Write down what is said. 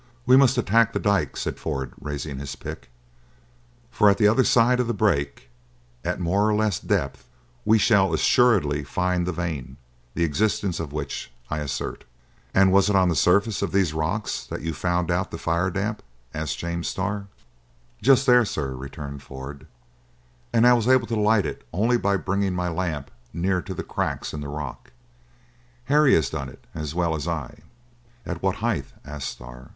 "We must attack the dyke," said Ford, raising his pick; "for at the other side of the break, at more or less depth, we shall assuredly find the vein, the existence of which I assert." "And was it on the surface of these rocks that you found out the fire damp?" asked James Starr. "Just there, sir," returned Ford, "and I was able to light it only by bringing my lamp near to the cracks in the rock. Harry has done it as well as I." "At what height?" asked Starr.